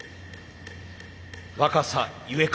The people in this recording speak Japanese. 若さゆえか